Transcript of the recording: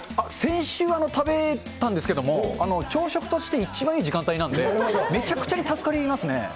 先週は食べたんですけども、朝食として一番いい時間帯なんで、めちゃくちゃに助かりますね。